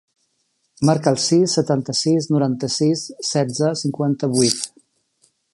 Marca el sis, setanta-sis, noranta-sis, setze, cinquanta-vuit.